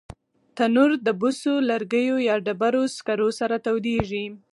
تنور د بوسو، لرګیو یا ډبرو سکرو سره تودېږي